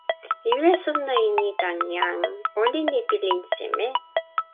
mi wile sona e ni tan jan: olin li pilin seme?